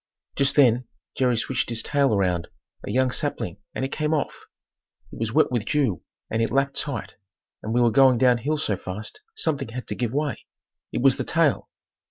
Just then Jerry switched his tail around a young sapling and it came off. It was wet with dew and it lapped tight, and we were going down hill so fast something had to give way. It was the tail!